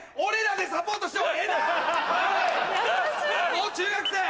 もう中学生